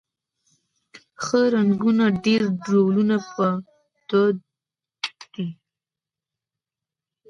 ښه رنګونه ډېر ډولونه به د دوی و